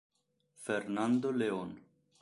Fernando León